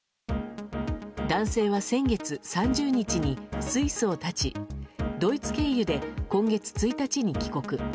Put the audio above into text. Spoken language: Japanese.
男性は先月３０日にスイスを発ちドイツ経由で今月１日に帰国。